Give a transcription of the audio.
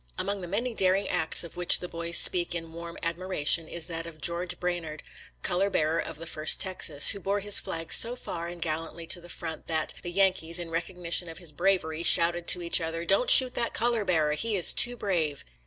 Among the many daring acts of which the boys speak in warm admiration is that of George Branard, color bearer of the First Texas, who bore his flag so far and gallantly to the front that ' the Yankees, in recognition of his bravery, shouted to each other, " Don't shoot that color bearer — ^he is too brave